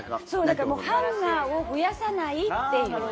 そうだからもうハンガーを増やさないっていう。